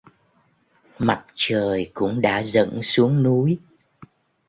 Mặt trời cũng đã dẫn xuống núi